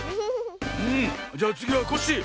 うんじゃあつぎはコッシー。